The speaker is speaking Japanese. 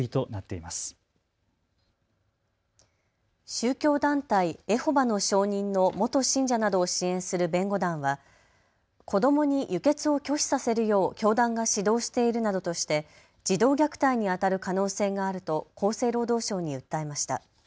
宗教団体エホバの証人の元信者などを支援する弁護団は子どもに輸血を拒否させるよう教団が指導しているなどとして児童虐待にあたる可能性があると厚生労働省に訴えました。